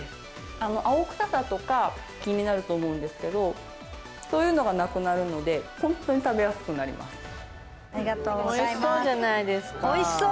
あの青臭さとか気になると思うんですけどそういうのがなくなるのでありがとうございますおいしそうじゃないですかおいしそう！